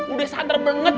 udah sadar banget